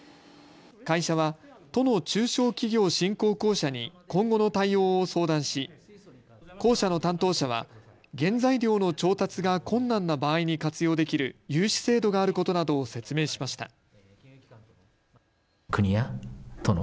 会社は都の中小企業振興公社に今後の対応を相談し公社の担当者は原材料の調達が困難な場合に活用できる融資制度があることなどを説明しました。